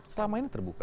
selama ini terbuka